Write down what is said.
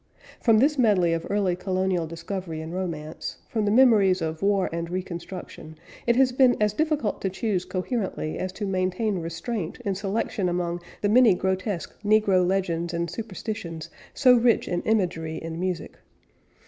From this medley of early colonial discovery and romance, from the memories of war and reconstruction, it has been as difficult to choose coherently as to maintain restraint in selection among the many grotesque negro legends and superstitions so rich in imagery and music.